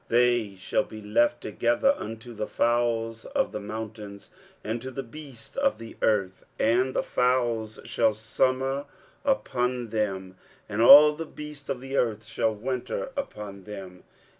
23:018:006 They shall be left together unto the fowls of the mountains, and to the beasts of the earth: and the fowls shall summer upon them, and all the beasts of the earth shall winter upon them.